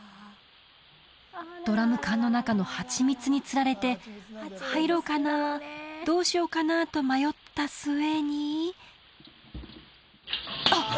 ドラム缶の中の蜂蜜につられて入ろうかなどうしようかなと迷った末にあっ！